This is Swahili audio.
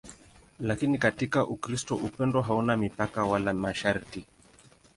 Lakini katika Ukristo upendo hauna mipaka wala masharti.